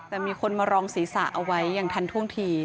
แต่มีคนมารองศีรษะเอาไว้อย่างทันท่วงที